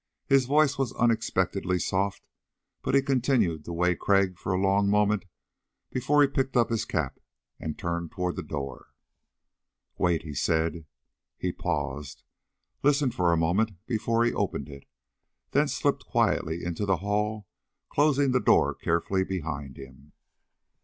His voice was unexpectedly soft but he continued to weigh Crag for a long moment before he picked up his cap and turned toward the door. "Wait," he said. He paused, listening for a moment before he opened it, then slipped quietly into the hall, closing the door carefully behind him.